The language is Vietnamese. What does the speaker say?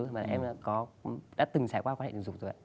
mà em đã từng trải qua quan hệ tình dục rồi